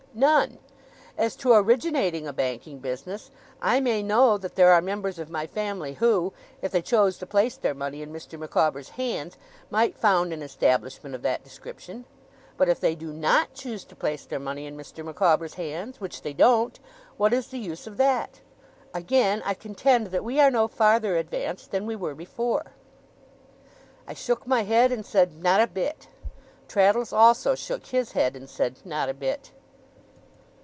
None. As to originating a banking business, I may know that there are members of my family who, if they chose to place their money in Mr. Micawber's hands, might found an establishment of that description. But if they do NOT choose to place their money in Mr. Micawber's hands which they don't what is the use of that? Again I contend that we are no farther advanced than we were before.' I shook my head, and said, 'Not a bit.' Traddles also shook his head, and said, 'Not a bit.